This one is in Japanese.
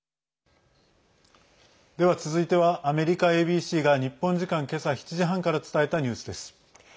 では続いてはアメリカＡＢＣが日本時間、今朝７時半から伝えたニュースです。